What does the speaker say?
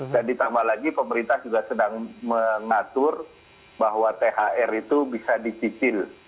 dan ditambah lagi pemerintah juga sedang mengatur bahwa thr itu bisa dicicil